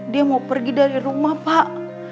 dia mau pergi dari rumah pak